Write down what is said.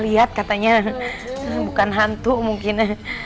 lihat katanya bukan hantu mungkin